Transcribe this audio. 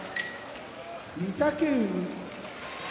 御嶽海